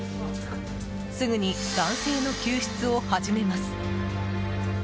すぐに男性の救出を始めます。